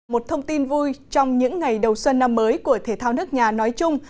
một thông tin vui trong những ngày đầu xuân năm mới của thể thao nước nhà nói chung